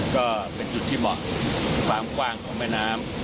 ก็เป็นจุดที่เหมาะความกว้างของแม่น้ำ